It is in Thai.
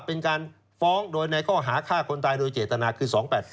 เป็นการฟ้องโดยในข้อหาฆ่าคนตายโดยเจตนาคือ๒๘๓